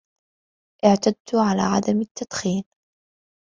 اعتدت على عدم التدخين.